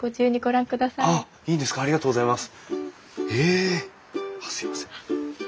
あっすみません。